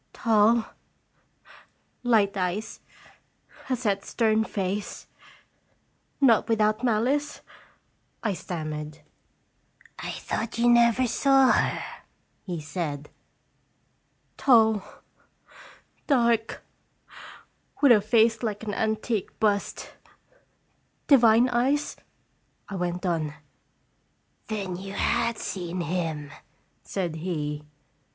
" Tall, light eyes, a set, stern face not without malice?" I stammered. 320 "Qlr* llje fttectfr " I thought you never saw her?" he said. " Tall, dark, with a face like an antique bust, divine eyes?" I went on. " Then you had seen him," said he.